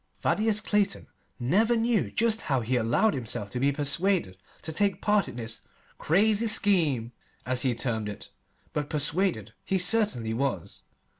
Thaddeus Clayton never knew just how he allowed himself to be persuaded to take his part in this "crazy scheme," as he termed it, but persuaded he certainly was.